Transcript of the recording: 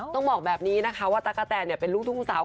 ต้องบอกแบบนี้นะคะว่าตั๊กกะแตนเป็นลูกทุ่งสาว